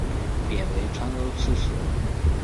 贬为川州刺史。